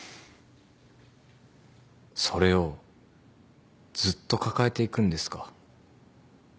それをずっと抱えていくんですか？